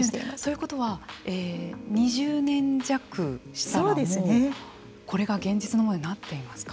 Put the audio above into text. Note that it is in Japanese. ということは２０年弱したらもうこれが現実のものになっていますか。